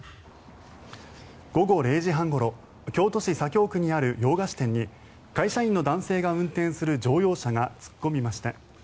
午後０時半ごろ京都市左京区にある洋菓子店に会社員の男性が運転する乗用車が突っ込みました。